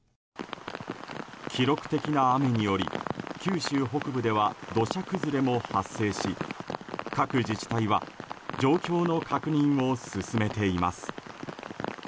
記録的な雨により九州北部では土砂崩れも発生し各自治体は状況の確認を進めています。